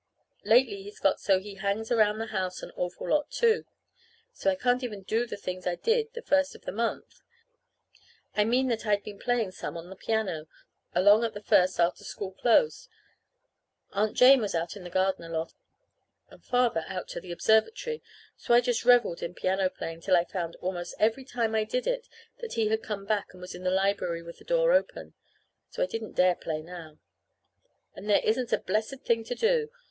Lately he's got so he hangs around the house an awful lot, too, so I can't even do the things I did the first of the month. I mean that I'd been playing some on the piano, along at the first, after school closed. Aunt Jane was out in the garden a lot, and Father out to the observatory, so I just reveled in piano playing till I found almost every time I did it that he had come back, and was in the library with the door open. So I don't dare to play now. And there isn't a blessed thing to do.